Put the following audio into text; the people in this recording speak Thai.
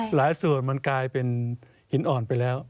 หลายส่วนมันกลายเป็นหินอ่อนไปแล้ว